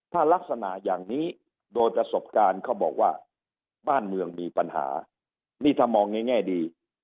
ถ้ารักษณะอย่างนี้โดยประสบการณ์เขาบอกว่าบ้านเมืองมีปัญหานี่ถ้ามองในแง่ดี